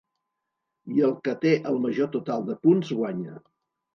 I el que té el major total de punts guanya.